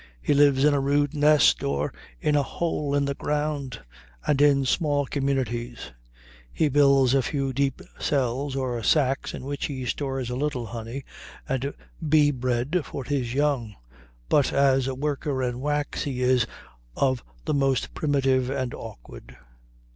He lives in a rude nest, or in a hole in the ground, and in small communities; he builds a few deep cells or sacks in which he stores a little honey and bee bread for his young, but as a worker in wax he is of the most primitive and awkward.